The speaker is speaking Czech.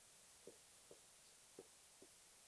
Využívají se prakticky všechny jejich části.